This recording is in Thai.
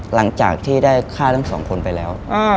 หลังจากที่ได้ฆ่าทั้งสองคนไปแล้ว